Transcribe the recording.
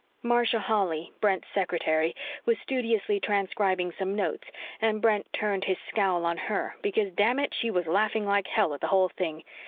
Marcia Holly, Brent's secretary, was studiously transcribing some notes and Brent turned his scowl on her because, damn it, she was laughing like hell at the whole thing.